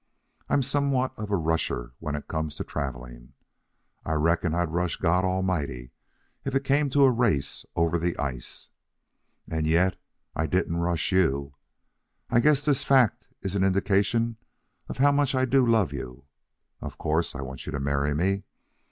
I'm somewhat of a rusher when it comes to travelling. I reckon I'd rush God Almighty if it came to a race over the ice. And yet I didn't rush you. I guess this fact is an indication of how much I do love you. Of course I want you to marry me.